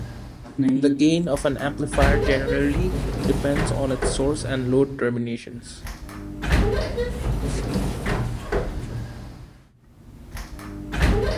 The gain of an amplifier generally depends on its source and load terminations.